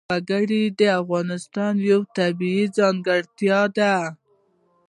وګړي د افغانستان یوه طبیعي ځانګړتیا ده.